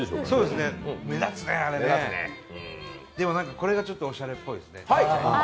これがちょっとおしゃれっぽいですね。